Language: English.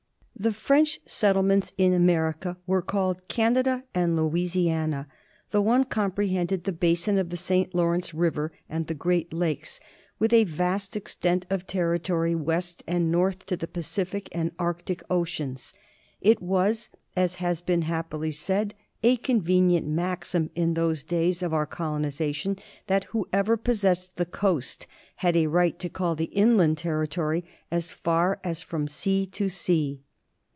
The French settlements in America were called Canada and Louisiana. The one comprehended the basin of the St. Lawrence River and the Oreat Lakes, with a vast extent of territory west and north to the Pacific and Arctic oceans. It was, as has been happily said, a convenient maxim in those days of our colonization, that whoever possessed the coast had a right to all the inland territory as far as from sea to sea.